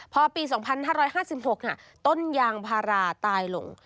พอปี๒๕๕๖ต้นยางพาราตายลง